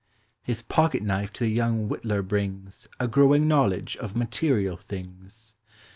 His pocket knife to the young whittler brings A growing knowledge of material things.